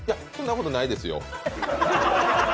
そんなことないですよ。